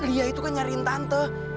ia tuh nyeri tante